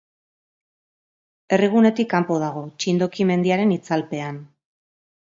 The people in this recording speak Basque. Herrigunetik kanpo dago, Txindoki mendiaren itzalpean.